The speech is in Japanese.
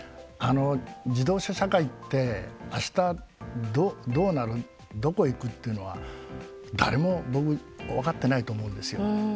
自動車社会って明日どうなるどこ行くっていうのは誰も僕分かってないと思うんですよ。